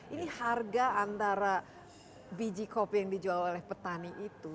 ini harga antara biji kopi yang dijual oleh petani itu